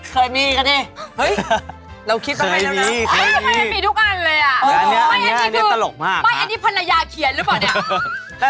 เคยมีกันดิเฮ้ยเราคิดมาให้แล้วนะมีทุกอันเลยอ่ะไม่อันนี้ภรรยาเขียนหรือเปล่าเนี่ย